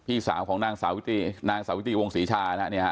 พี่สาวของนางสาวิติวงศรีชานะครับ